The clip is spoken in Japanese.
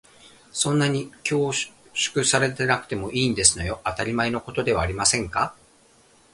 そんなに恐縮されなくてもいいんですのよ。当たり前のことではありませんか。